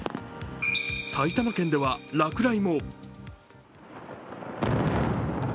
埼玉県では落雷も。